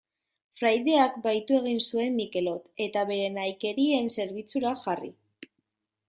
Fraideak bahitu egin zuen Mikelot, eta bere nahikerien zerbitzura jarri.